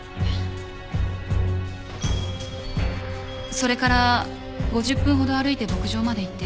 それから５０分ほど歩いて牧場まで行って。